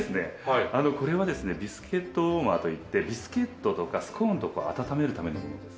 これはですねビスケットウォーマーといってビスケットとかスコーンとかを温めるためのものです。